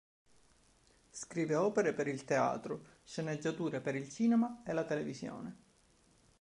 Scrive opere per il teatro, sceneggiature per il cinema e la televisione.